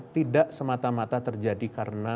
tidak semata mata terjadi karena